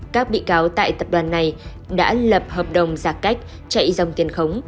các bị cáo tại tập đoàn này đã lập hợp đồng giả cách chạy dòng tiền khống